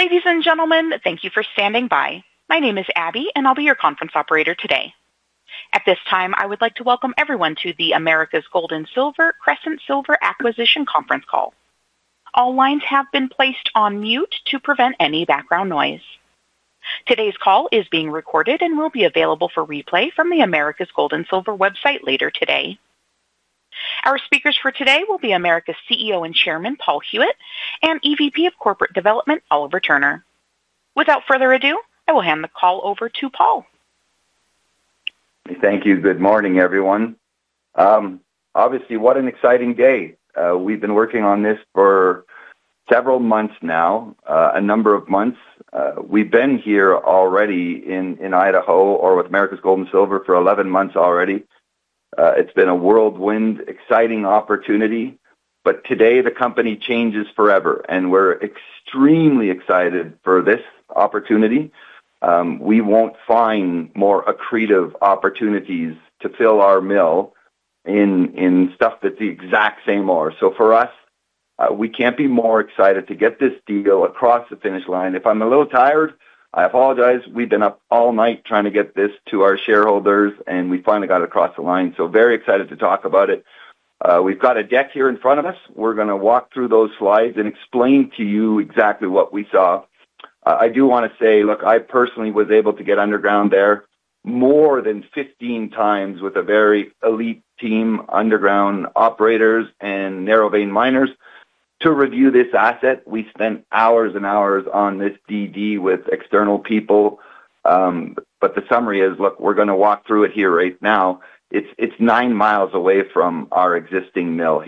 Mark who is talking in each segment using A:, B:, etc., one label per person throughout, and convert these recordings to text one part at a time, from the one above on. A: Ladies and gentlemen, thank you for standing by. My name is Abby, and I'll be your conference operator today. At this time, I would like to welcome everyone to the Americas Gold and Silver Crescent Silver Acquisition Conference Call. All lines have been placed on mute to prevent any background noise. Today's call is being recorded and will be available for replay from the Americas Gold and Silver website later today. Our speakers for today will be Americas Gold and Silver CEO and Chairman, Paul Huet, and EVP of Corporate Development, Oliver Turner. Without further ado, I will hand the call over to Paul.
B: Thank you. Good morning, everyone. Obviously, what an exciting day. We've been working on this for several months now. We've been here in Idaho with Americas Gold and Silver for 11 months already. It's been a whirlwind, exciting opportunity. Today, the company changes forever, and we're extremely excited for this opportunity. We won't find more accretive opportunities to fill our mill with the exact same ore. For us, we can't be more excited to get this deal across the finish line. If I'm a little tired, I apologize. We've been up all night trying to get this to our shareholders, and we finally got it across the line. Very excited to talk about it. We've got a deck here in front of us. We're going to walk through those slides and explain exactly what we saw. I do want to say, I personally was able to get underground there more than 15 times with a very elite team of underground operators and narrow-vein miners to review this asset. We spent hours and hours on this DD with external people. The summary is, we're going to walk through it here right now. It's 9 miles away from our existing mill.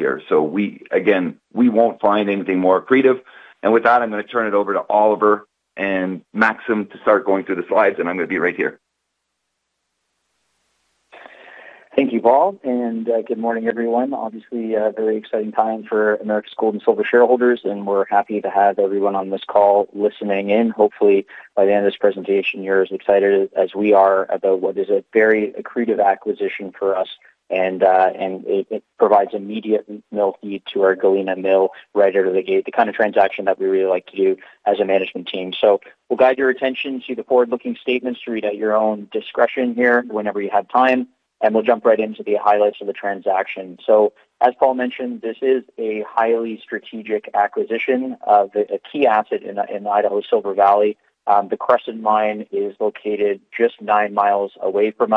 B: Again, we won't find anything more accretive. With that, I'm going to turn it over to Oliver and Maxim to start going through the slides, and I'll be right here.
C: Thank you, Paul. Good morning, everyone. Obviously, a very exciting time for Americas Gold and Silver shareholders, and we're happy to have everyone on this call listening in. Hopefully, by the end of this presentation, you're as excited as we are about this very accretive acquisition, which provides immediate mill feed to our Galena mill right out of the gate the kind of transaction we like to do as a management team. We will guide your attention to the forward-looking statements to read at your own discretion whenever you have time, and we will jump right into the highlights of the transaction. As Paul mentioned, this is a highly strategic acquisition of a key asset in Idaho Silver Valley. The Crescent Mine is located just nine miles away from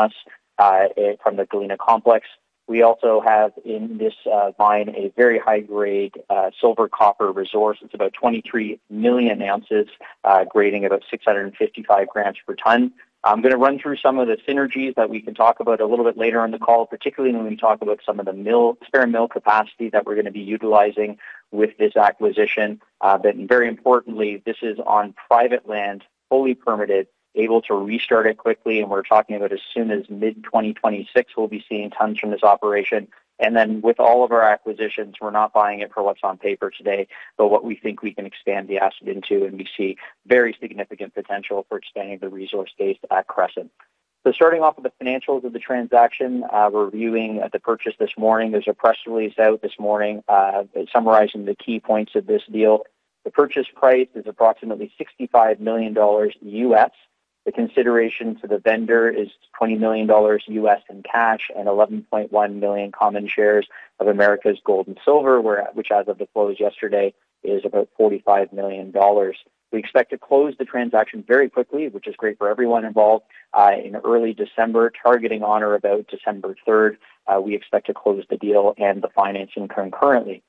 C: the Galena complex. We also have in this mine a very high-grade silver-copper resource: about 23 million ounces, grading 655 grams per tonne. I'll run through some synergies a bit later on the call, particularly regarding the spare mill capacity we will be utilizing with this acquisition. Very importantly, this is on private land, fully permitted, and can be restarted quickly. We expect tons from this operation as soon as mid-2026. With all our acquisitions, we're not buying it for what's on paper today but for what we can expand the asset into. We see significant potential for expanding the resource base at Crescent. Starting off with the financials, we're reviewing the purchase this morning. There's a press release this morning summarizing the key points of the deal. The purchase price is approximately $65 million US. The consideration to the vendor is $20 million US in cash and 11.1 million common shares of Americas Gold and Silver, which, as of the close yesterday, is about $45 million. We expect to close the transaction very quickly, which is great for everyone involved. In early December—targeting on or about December 3rd—we expect to close the deal and the financing concurrently.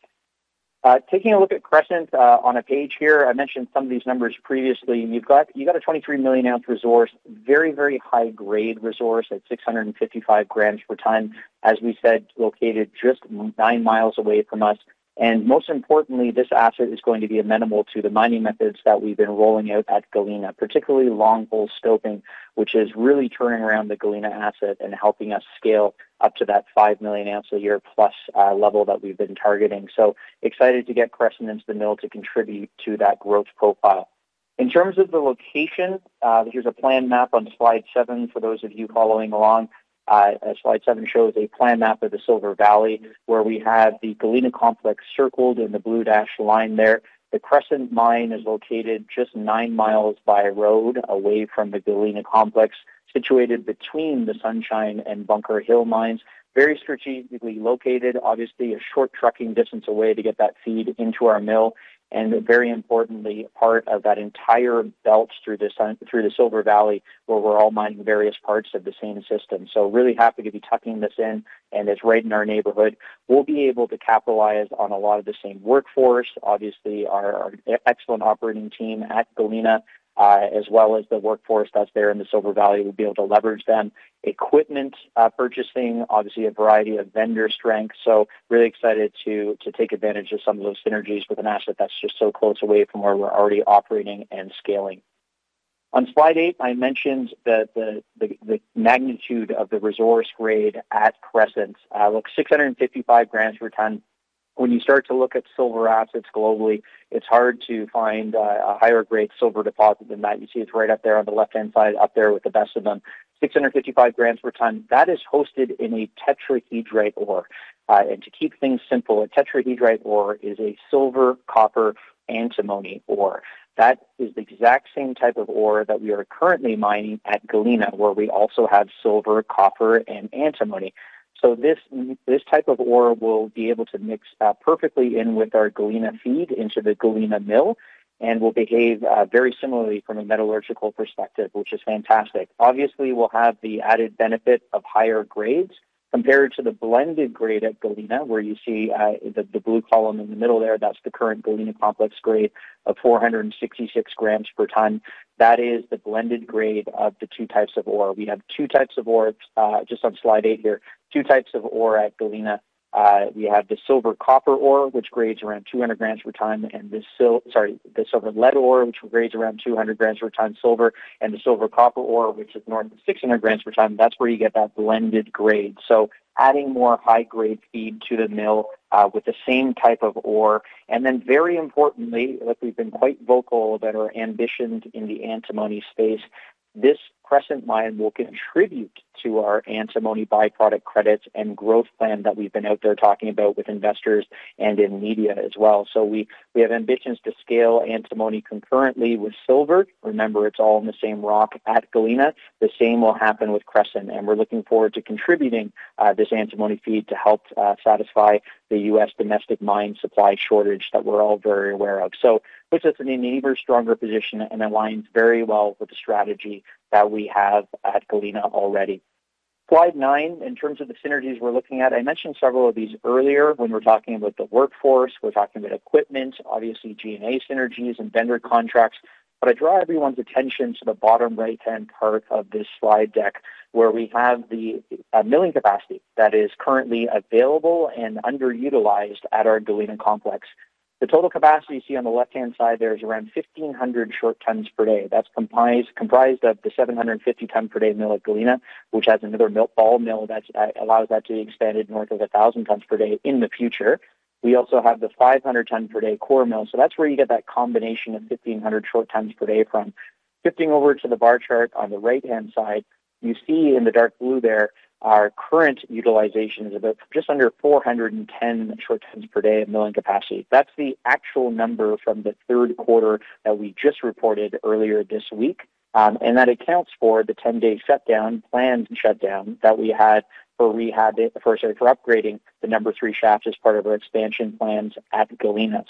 C: Looking at Crescent on a page here, I mentioned some of these numbers previously: a 23 million ounce resource, a very high-grade resource at 655 grams per tonne, located just nine miles away from us. Most importantly, this asset will be amenable to the mining methods we've been rolling out at Galena, particularly long-hole stoping, which is helping turn around the Galena asset and scale us up to the 5 million ounce-per-year level we’ve been targeting. We’re excited to get Crescent into the mill to contribute to that growth profile. In terms of location, here’s a plan map on slide seven for those following along. Slide seven shows a plan map of the Silver Valley, with the Galena complex circled in the blue dashed line. The Crescent Mine is located just nine miles by road from the Galena complex, situated between the Sunshine and Bunker Hill mines. Very strategically located a short trucking distance to feed our mill. Very importantly, part of that entire belt through the Silver Valley, where we’re all mining various parts of the same system. We’re really happy to be tucking this in it’s right in our neighborhood. We’ll be able to capitalize on a lot of the same workforce. Our excellent operating team at Galena, as well as the workforce in the Silver Valley, will be leveraged. Equipment purchasing and vendor strengths will also be maximized. We’re excited to take advantage of these synergies with an asset so close to our current operations. On slide eight, I mentioned the magnitude of the resource grade at Crescent: 655 grams per tonne. Globally, it’s hard to find a higher-grade silver deposit. You see it’s right up there on the left-hand side with the best of them: 655 grams per tonne. This is hosted in tetrahedrite ore. To keep things simple, tetrahedrite ore is a silver-copper-antimony ore the same type of ore we currently mine at Galena, which also contains silver, copper, and antimony. This type of ore will mix perfectly with our Galena feed into the Galena mill and behave similarly from a metallurgical perspective, which is fantastic. We’ll also benefit from higher grades compared to the blended grade at Galena (466 grams per tonne), which is the blended grade of the two ore types. We have two types of ore just On slide eight, we have two types of ore at Galena: silver-copper ore grading around 200 grams per tonne, and silver-lead ore grading around 200 grams per tonne silver. The silver-copper ore grades north of 600 grams per tonne that’s where the blended grade comes from. Adding more high-grade feed of the same ore type to the mill is important. We’ve been vocal about our ambitions in the antimony space. The Crescent Mine will contribute to our antimony byproduct credits and growth plan, as discussed with investors and in the media. We aim to scale antimony concurrently with silver it’s all in the same rock at Galena, and the same applies to Crescent. Mine will contribute to our antimony byproduct credits and growth plan that we've been out there talking about with investors and in media as well. We have ambitions to scale antimony concurrently with silver. Remember, it's all in the same rock at Galena. The same will happen with Crescent. We're looking forward to contributing this antimony feed to help satisfy the U.S. domestic mine supply shortage that we're all very aware of. It puts us in a neighbor-stronger position and aligns very well with the strategy that we have at Galena already. Slide nine, in terms of the synergies we're looking at, I mentioned several of these earlier when we were talking about the workforce. We're talking about equipment, obviously G&A synergies and vendor contracts. I draw everyone's attention to the bottom right-hand part of this slide deck, where we have the milling capacity that is currently available and underutilized at our Galena complex. The total capacity you see on the left-hand side there is around 1,500 short tons per day. That's comprised of the 750 ton per day mill at Galena, which has another old mill that allows that to be expanded north of 1,000 tons per day in the future. We also have the 500 ton per day core mill. That's where you get that combination of 1,500 short tons per day from. Shifting over to the bar chart on the right-hand side, you see in the dark blue there our current utilization is about just under 410 short tons per day of milling capacity. That's the actual number from the third quarter that we just reported earlier this week. That accounts for the 10-day shutdown, planned shutdown that we had for upgrading the number three shaft as part of our expansion plans at Galena.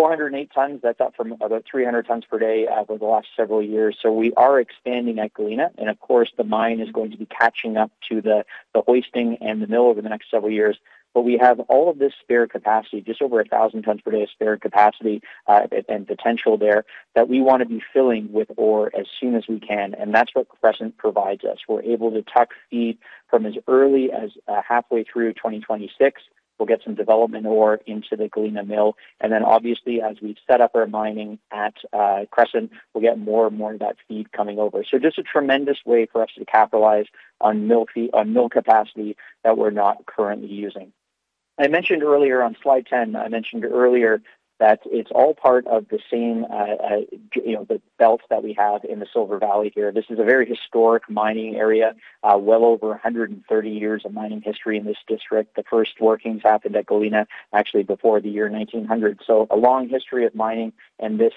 C: 408 tons, that's up from about 300 tons per day over the last several years. We are expanding at Galena. Of course, the mine is going to be catching up to the hoisting and the mill over the next several years. We have all of this spare capacity, just over 1,000 tons per day of spare capacity and potential there that we want to be filling with ore as soon as we can. That is what Crescent provides us. We are able to tuck feed from as early as halfway through 2026. We will get some development ore into the Galena mill. Obviously, as we set up our mining at Crescent, we will get more and more of that feed coming over. It is just a tremendous way for us to capitalize on mill capacity that we are not currently using. I mentioned earlier on slide 10, I mentioned earlier that it is all part of the same belt that we have in the Silver Valley here. This is a very historic mining area, well over 130 years of mining history in this district. The first workings happened at Galena actually before the year 1900. A long history of mining and this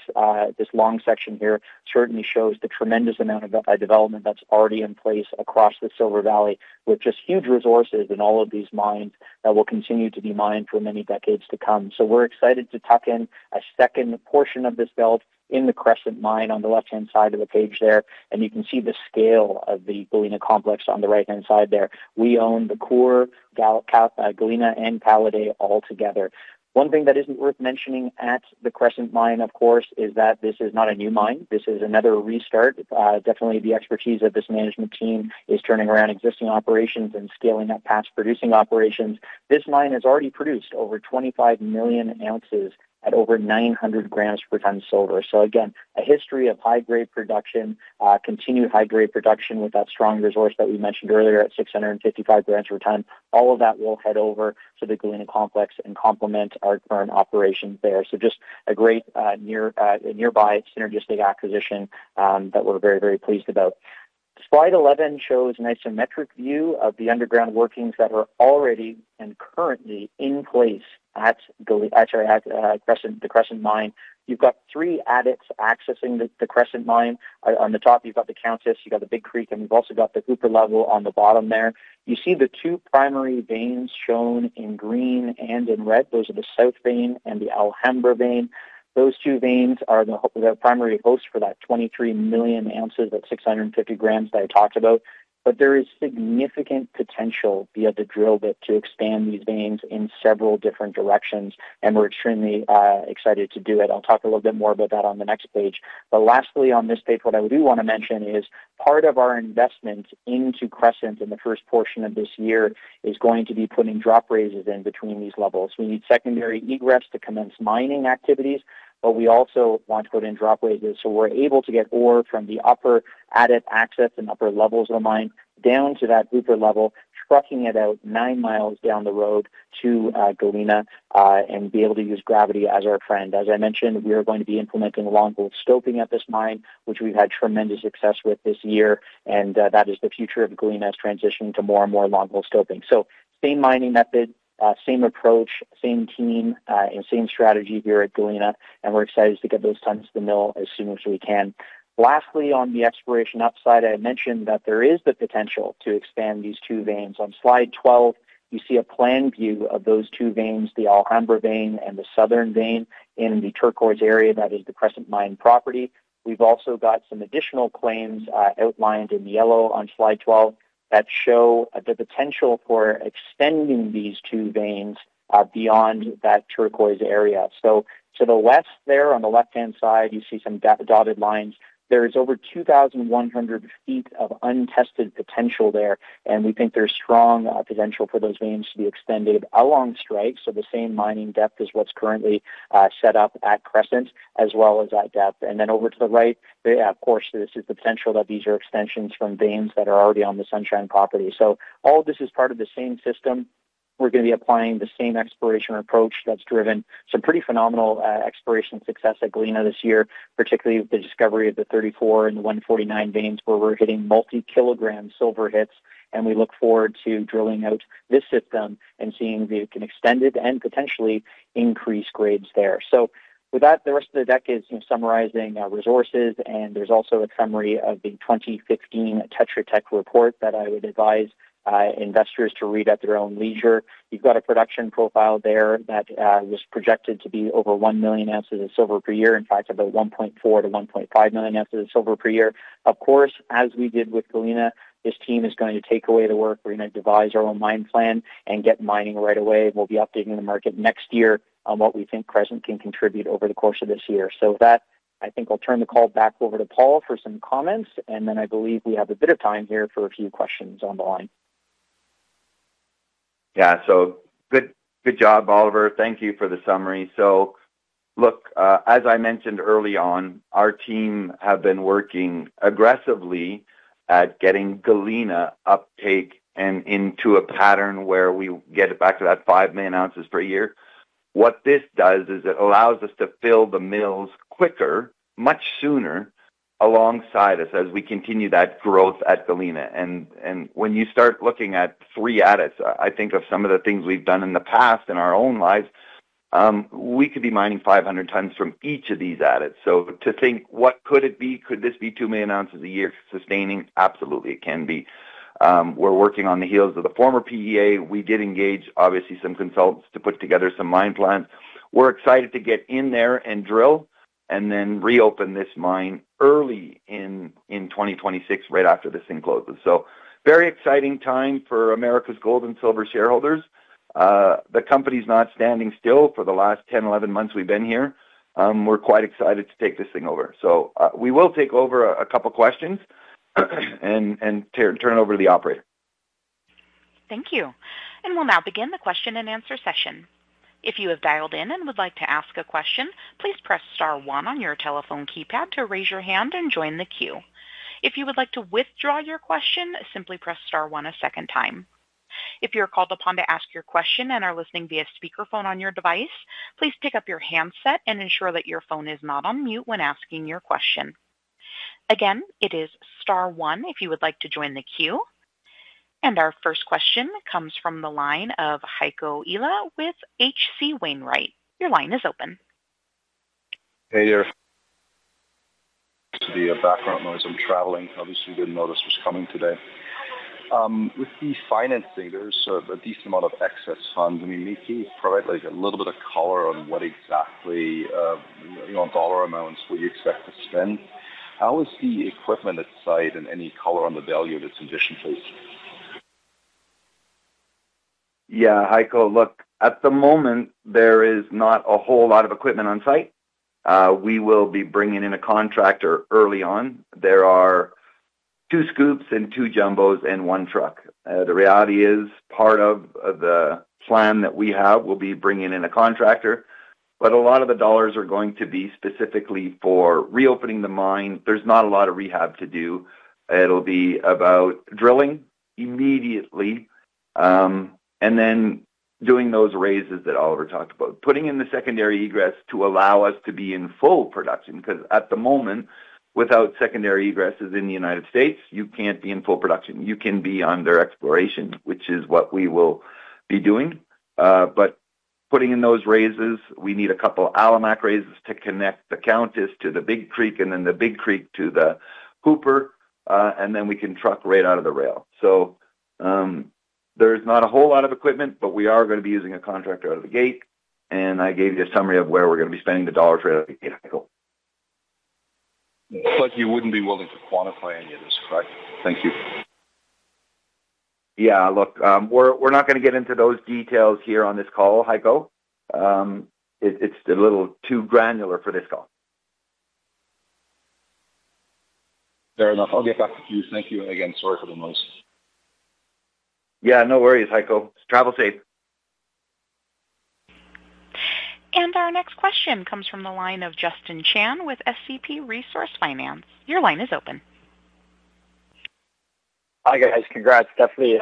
C: long section here certainly shows the tremendous amount of development that's already in place across the Silver Valley with just huge resources in all of these mines that will continue to be mined for many decades to come. We're excited to tuck in a second portion of this belt in the Crescent Mine on the left-hand side of the page there. You can see the scale of the Galena complex on the right-hand side there. We own the core, Galena and Palade all together. One thing that is worth mentioning at the Crescent Mine, of course, is that this is not a new mine. This is another restart. Definitely the expertise of this management team is turning around existing operations and scaling up past producing operations. This mine has already produced over 25 million ounces at over 900 grams per tonne silver. Again, a history of high-grade production, continued high-grade production with that strong resource that we mentioned earlier at 655 grams per tonne. All of that will head over to the Galena complex and complement our current operations there. Just a great nearby synergistic acquisition that we're very, very pleased about. Slide 11 shows an isometric view of the underground workings that are already and currently in place at the Crescent Mine. You've got three adits accessing the Crescent Mine. On the top, you've got the Countess, you've got the Big Creek, and we've also got the Hooper level on the bottom there. You see the two primary veins shown in green and in red. Those are the South vein and the Alhambra vein. Those two veins are the primary host for that 23 million ounces at 650 grams that I talked about. There is significant potential via the drill bit to expand these veins in several different directions, and we're extremely excited to do it. I'll talk a little bit more about that on the next page. Lastly, on this paper, what I do want to mention is part of our investment into Crescent in the first portion of this year is going to be putting drop raises in between these levels. We need secondary egress to commence mining activities, but we also want to put in drop raises so we're able to get ore from the upper adit access and upper levels of the mine down to that Hooper level, trucking it out nine miles down the road to Galena and be able to use gravity as our friend. As I mentioned, we are going to be implementing long-hole stoping at this mine, which we've had tremendous success with this year. That is the future of Galena's transition to more and more long-hole stoping. Same mining method, same approach, same team, and same strategy here at Galena. We're excited to get those tons to the mill as soon as we can. Lastly, on the exploration upside, I mentioned that there is the potential to expand these two veins. On slide 12, you see a planned view of those two veins, the Alhambra vein and the South vein in the turquoise area that is the Crescent Mine property. We've also got some additional claims outlined in yellow on slide 12 that show the potential for extending these two veins beyond that turquoise area. To the left there, on the left-hand side, you see some dotted lines. There is over 2,100 feet of untested potential there. We think there's strong potential for those veins to be extended along strike. The same mining depth is what's currently set up at Crescent, as well as that depth. Over to the right, of course, this is the potential that these are extensions from veins that are already on the Sunshine property. All of this is part of the same system. We're going to be applying the same exploration approach that's driven some pretty phenomenal exploration success at Galena this year, particularly with the discovery of the 34 and the 149 veins, where we're hitting multi-kilogram silver hits. We look forward to drilling out this system and seeing if we can extend it and potentially increase grades there. With that, the rest of the deck is summarizing resources. There's also a summary of the 2015 Tetra Tech report that I would advise investors to read at their own leisure. You've got a production profile there that was projected to be over 1 million ounces of silver per year. In fact, about 1.4-1.5 million ounces of silver per year. Of course, as we did with Galena, this team is going to take away the work. We're going to devise our own mine plan and get mining right away. We'll be updating the market next year on what we think Crescent can contribute over the course of this year. With that, I think I'll turn the call back over to Paul for some comments. I believe we have a bit of time here for a few questions on the line. Yeah. Good job, Oliver. Thank you for the summary. Look, as I mentioned early on, our team has been working aggressively at getting Galena uptake into a pattern where we get back to that 5 million ounces per year. What this does is it allows us to fill the mills quicker, much sooner alongside us as we continue that growth at Galena. When you start looking at three adits, I think of some of the things we've done in the past in our own lives, we could be mining 500 tons from each of these adits. To think, what could it be? Could this be 2 million ounces a year sustaining? Absolutely, it can be. We're working on the heels of the former PEA. We did engage, obviously, some consultants to put together some mine plans. We're excited to get in there and drill and then reopen this mine early in 2026, right after this thing closes. Very exciting time for Americas Gold and Silver shareholders. The company's not standing still for the last 10-11 months we've been here. We're quite excited to take this thing over. We will take over a couple of questions and turn it over to the operator. Thank you. We'll now begin the question and answer session. If you have dialed in and would like to ask a question, please press star one on your telephone keypad to raise your hand and join the queue. If you would like to withdraw your question, simply press star one a second time. If you're called upon to ask your question and are listening via speakerphone on your device, please pick up your handset and ensure that your phone is not on mute when asking your question. Again, it is star one if you would like to join the queue. Our first question comes from the line of Heiko Ihle with HC Wainwright. Your line is open. Hey there. The background noise. I'm traveling. Obviously, you didn't know this was coming today. With the financing, there's a decent amount of excess funds. I mean, can you provide a little bit of color on what exactly on dollar amounts we expect to spend? How is the equipment at site and any color on the value of its condition facing? Yeah. Heiko, look, at the moment, there is not a whole lot of equipment on site. We will be bringing in a contractor early on. There are two scoops and two jumbos and one truck. The reality is part of the plan that we have will be bringing in a contractor. A lot of the dollars are going to be specifically for reopening the mine. There is not a lot of rehab to do. It will be about drilling immediately and then doing those raises that Oliver talked about, putting in the secondary egress to allow us to be in full production. Because at the moment, without secondary egresses in the U.S., you can't be in full production. You can be under exploration, which is what we will be doing. Putting in those raises, we need a couple of Alimak raises to connect the Countess to the Big Creek and then the Big Creek to the Hooper. Then we can truck right out of the rail. There is not a whole lot of equipment, but we are going to be using a contractor out of the gate. I gave you a summary of where we're going to be spending the dollar trailer, Heiko. You wouldn't be willing to quantify any of this, correct? Thank you. Yeah. Look, we're not going to get into those details here on this call, Heiko. It's a little too granular for this call. Fair enough. I'll get back to you. Thank you again. Sorry for the noise. Yeah. No worries, Heiko. Travel safe. Our next question comes from the line of Justin Chan with SCP Resource Finance. Your line is open. Hi, guys. Congrats. Definitely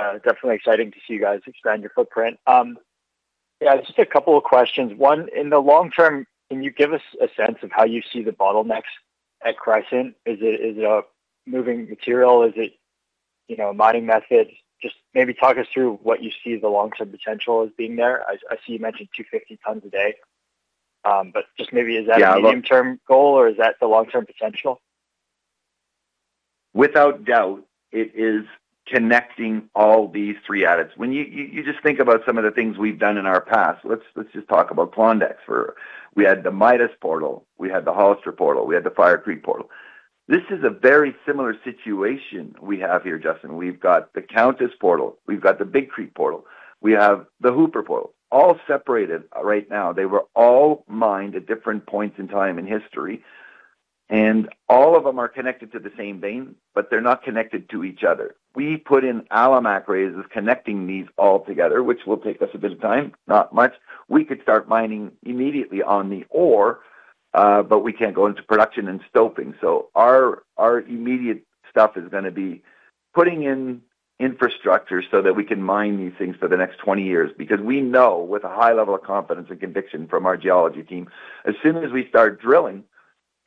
C: exciting to see you guys expand your footprint. Yeah. Just a couple of questions. One, in the long term, can you give us a sense of how you see the bottlenecks at Crescent? Is it moving material? Is it mining methods? Just maybe talk us through what you see the long-term potential as being there. I see you mentioned 250 tons a day. Just maybe, is that a medium-term goal, or is that the long-term potential? Without doubt, it is connecting all these three adits. When you just think about some of the things we've done in our past, let's just talk about Klondike. We had the Midas portal. We had the Hollister portal. We had the Fire Creek portal. This is a very similar situation we have here, Justin. We've got the Countess portal. We've got the Big Creek portal. We have the Hooper portal. All separated right now. They were all mined at different points in time in history. All of them are connected to the same vein, but they're not connected to each other. We put in Alimak raises connecting these all together, which will take us a bit of time, not much. We could start mining immediately on the ore, but we can't go into production and stoping. Our immediate stuff is going to be putting in infrastructure so that we can mine these things for the next 20 years. Because we know with a high level of confidence and conviction from our geology team, as soon as we start drilling,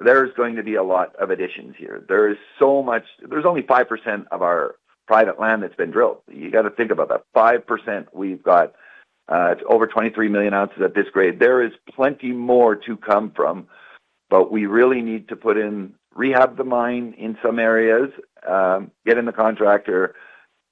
C: there is going to be a lot of additions here. There is so much. There's only 5% of our private land that's been drilled. You got to think about that. 5%. We've got over 23 million ounces at this grade. There is plenty more to come from. We really need to put in rehab the mine in some areas, get in the contractor,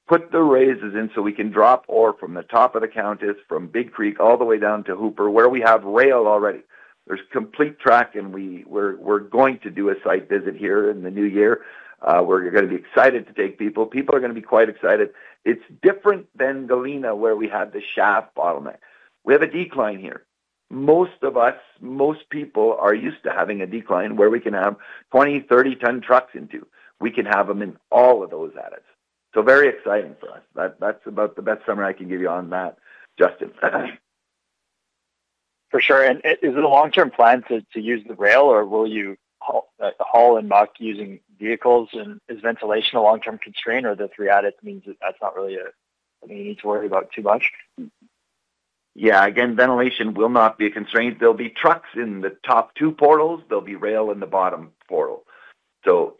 C: put the raises in so we can drop ore from the top of the Countess, from Big Creek all the way down to Hooper, where we have rail already. There's complete track, and we're going to do a site visit here in the new year. We're going to be excited to take people. People are going to be quite excited. It's different than Galena, where we had the shaft bottleneck. We have a decline here. Most of us, most people are used to having a decline where we can have 20, 30-ton trucks in two. We can have them in all of those adits. Very exciting for us. That's about the best summary I can give you on that, Justin. For sure. Is it a long-term plan to use the rail, or will you haul and muck using vehicles? Is ventilation a long-term constraint, or do the three adits mean that's not really something you need to worry about too much? Yeah. Again, ventilation will not be a constraint. There will be trucks in the top two portals. There will be rail in the bottom portal.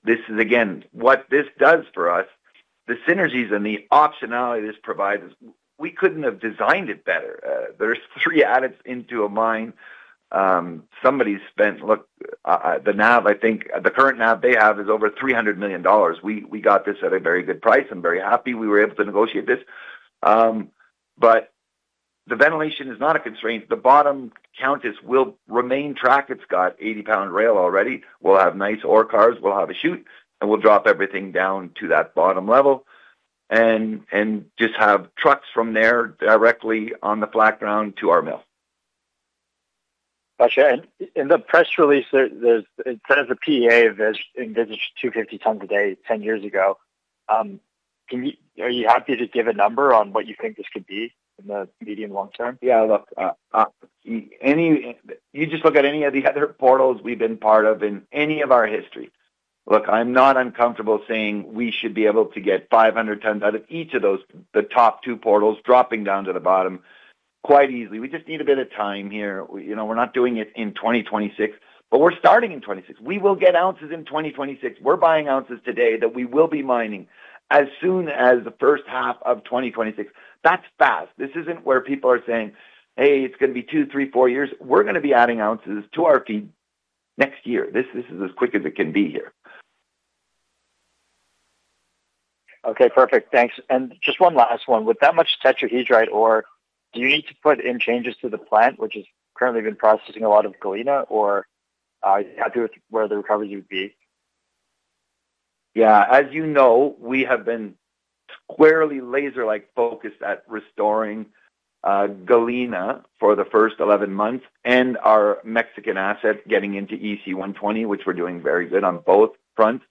C: This is, again, what this does for us. The synergies and the optionality this provides, we could not have designed it better. There's three adits into a mine. Somebody spent, look, the NAV, I think the current NAV they have is over $300 million. We got this at a very good price. I'm very happy we were able to negotiate this. The ventilation is not a constraint. The bottom Countess will remain tracked. It's got 80-pound rail already. We'll have nice ore cars. We'll have a chute, and we'll drop everything down to that bottom level and just have trucks from there directly on the flat ground to our mill. Gotcha. The press release, instead of the PEA envisaged 250 tons a day 10 years ago, are you happy to give a number on what you think this could be in the medium-long term? Yeah. Look, you just look at any of the other portals we've been part of in any of our history. Look, I'm not uncomfortable saying we should be able to get 500 tons out of each of those, the top two portals dropping down to the bottom quite easily. We just need a bit of time here. We're not doing it in 2026, but we're starting in 2026. We will get ounces in 2026. We're buying ounces today that we will be mining as soon as the first half of 2026. That's fast. This isn't where people are saying, "Hey, it's going to be two, three, four years." We're going to be adding ounces to our feed next year. This is as quick as it can be here. Okay. Perfect. Thanks. And just one last one. With that much tetrahedrite ore, do you need to put in changes to the plant, which has currently been processing a lot of Galena, or how do you want to do it where the recovery would be? Yeah. As you know, we have been squarely laser-like focused at restoring Galena for the first 11 months and our Mexican asset getting into EC120, which we're doing very good on both fronts.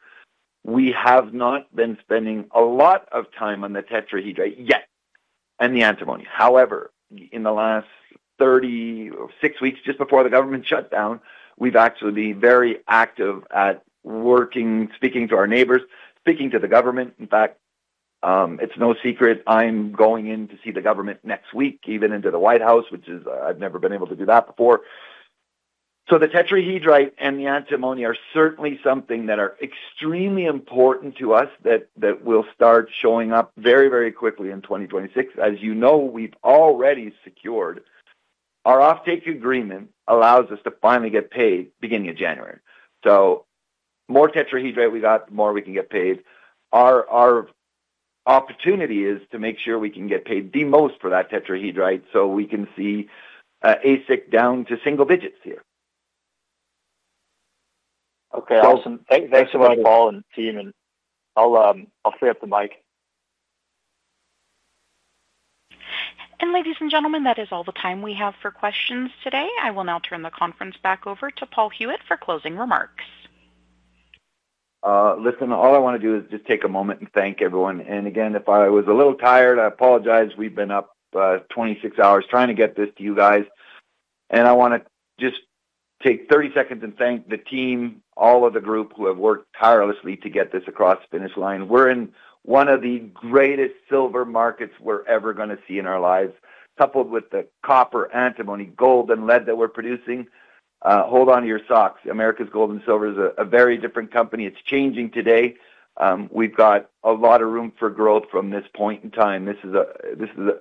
C: We have not been spending a lot of time on the tetrahedrite yet and the antimony. However, in the last 36 weeks, just before the government shutdown, we've actually been very active at working, speaking to our neighbors, speaking to the government. In fact, it's no secret. I'm going in to see the government next week, even into the White House, which I've never been able to do that before. The tetrahedrite and the antimony are certainly something that are extremely important to us that will start showing up very, very quickly in 2026. As you know, we have already secured our off-take agreement that allows us to finally get paid beginning of January. The more tetrahedrite we have, the more we can get paid. Our opportunity is to make sure we can get paid the most for that tetrahedrite so we can see ASIC down to single digits here. Okay. Awesome. Thanks so much, Paul and team. I will stay up the mic. Ladies and gentlemen, that is all the time we have for questions today. I will now turn the conference back over to Paul Huet for closing remarks. Listen, all I want to do is just take a moment and thank everyone. Again, if I was a little tired, I apologize. We've been up 26 hours trying to get this to you guys. I want to just take 30 seconds and thank the team, all of the group who have worked tirelessly to get this across the finish line. We're in one of the greatest silver markets we're ever going to see in our lives, coupled with the copper, antimony, gold, and lead that we're producing. Hold on to your socks. Americas Gold and Silver is a very different company. It's changing today. We've got a lot of room for growth from this point in time. This is a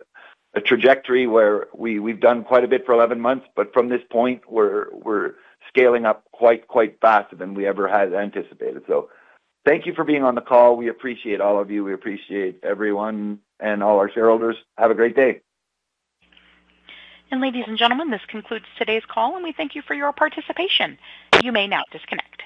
C: trajectory where we've done quite a bit for 11 months. From this point, we're scaling up quite, quite faster than we ever had anticipated. Thank you for being on the call. We appreciate all of you. We appreciate everyone and all our shareholders. Have a great day. Ladies and gentlemen, this concludes today's call, and we thank you for your participation. You may now disconnect.